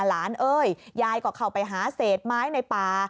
เอ้ยยายก็เข้าไปหาเศษไม้ในป่า